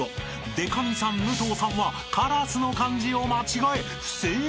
［でか美さん武藤さんは「烏」の漢字を間違え不正解］